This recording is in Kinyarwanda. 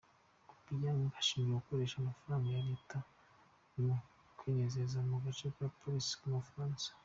Obiang ashinjwa gukoresha amafaranga ya Leta mu kwinezeza mu gace ka Paris mu Bufaransa.